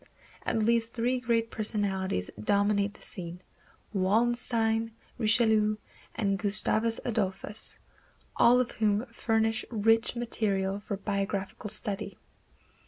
At least three great personalities dominate the scene, Wallenstein, Richelieu and Gustavus Adolphus, all of whom furnish rich material for biographical study.